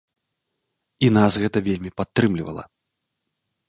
І нас гэта вельмі падтрымлівала.